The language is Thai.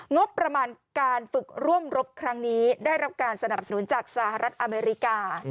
งบประมาณการฝึกร่วมรบครั้งนี้ได้รับการสนับสนุนจากสหรัฐอเมริกา